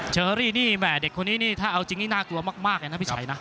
เชอรี่นี่แห่เด็กคนนี้นี่ถ้าเอาจริงนี่น่ากลัวมากเลยนะพี่ชัยนะ